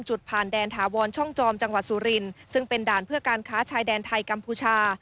จุดผ่านแดนถาวรช่องจอมจังหวัดสุรินซึ่งเป็นด่านเพื่อการค้าชายแดนไทยกัมพูชา